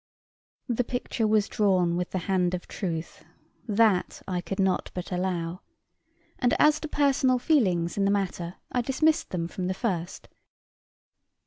The picture was drawn with the hand of truth; that I could not but allow, and, as to personal feelings in the matter, I dismissed them from the first.